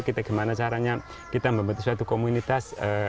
bagaimana caranya kita membentuk suatu komunitas